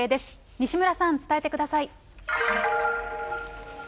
西村さん、伝えてください。